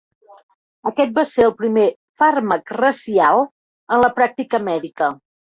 Aquest va ser el primer "fàrmac racial" en la pràctica mèdica.